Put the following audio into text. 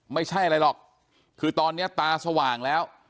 ไม่ใช่อะไรหรอกคือตอนนี้ตาสว่างแล้ว